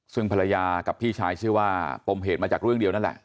ซึ่งภรรยากับพี่ชายเชื่อว่าปมเหตุมาจากเรื่องเดียวนั่นแหละ